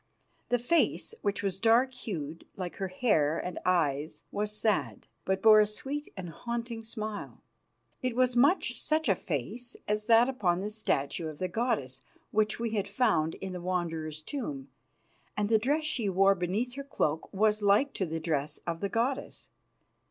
The face, which was dark hued, like her hair and eyes, was sad, but wore a sweet and haunting smile. It was much such a face as that upon the statue of the goddess which we had found in the Wanderer's tomb, and the dress she wore beneath her cloak was like to the dress of the goddess.